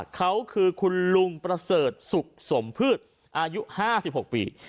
เขาคือคุณลุงประเสริฐสุขสมพืชอายุ๕๖ปี